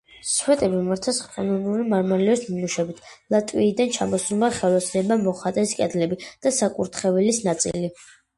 სვეტები მორთეს ხელოვნური მარმარილოს ნიმუშებით, ლატვიიდან ჩამოსულმა ხელოსნებმა მოხატეს კედლები და საკურთხევლის ნაწილი.